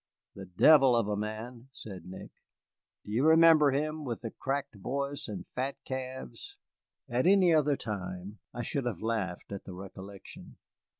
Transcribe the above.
"The devil of a man," said Nick; "do you remember him, with the cracked voice and fat calves?" At any other time I should have laughed at the recollection.